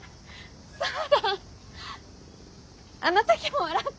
そうだあの時も笑ったよね！